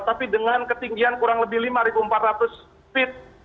tapi dengan ketinggian kurang lebih lima empat ratus feet